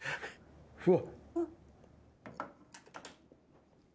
うわ。